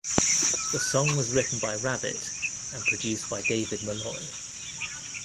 The song was written by Rabbitt and produced by David Malloy.